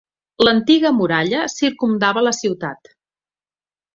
L'antiga muralla circumdava la ciutat.